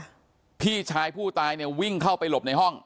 พี่ชายผู้ตายเนี่ยวิ่งเข้าไปหลบในห้อง